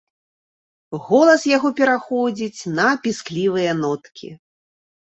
Голас яго пераходзіць на пісклівыя ноткі.